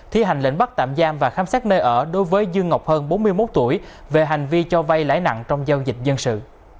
thi hành lệnh bắt tạm giam và khám xét nơi ở đối với dương ngọc hân bốn mươi một tuổi về hành vi cho vay lãi nặng trong giao dịch dân sự